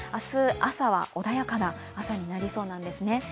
朝は穏やかな朝になりそうなんですね。